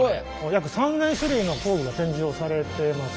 約３，０００種類の工具が展示をされてます。